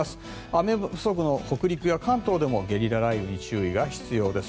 雨不足の北陸や関東でもゲリラ雷雨に注意が必要です。